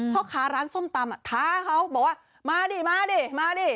พ่อค้าร้านส้มตำท้าเขาบอกว่ามาดิมาดิมาดิ